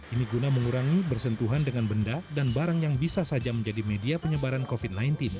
ini guna mengurangi bersentuhan dengan benda dan barang yang bisa saja menjadi media penyebaran covid sembilan belas